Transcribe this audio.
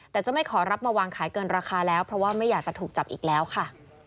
แต่จะไม่ขอรับมาวางขายเกินราคาแล้วเพราะว่าไม่อยากจะถูกจับอีกแล้วค่ะ